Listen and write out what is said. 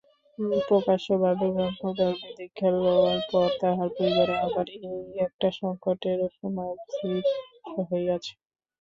প্রকাশ্যভাবে ব্রাহ্মধর্মে দীক্ষা লওয়ার পর তাঁহার পরিবারে আবার এই একটা সংকটের সময় উপস্থিত হইয়াছে।